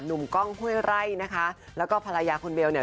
หนุ่มก้องเพื่ย่ไหร่นะคะแล้วก็ภรรยาคุณเบลเนี่ย